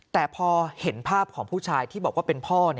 แต่พอเห็นภาพของผู้ชายที่บอกว่าเป็นพ่อ